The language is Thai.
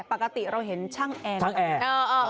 ปกติเราเห็นช่างแอร์